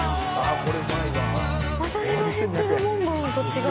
私が知ってるモンブランと違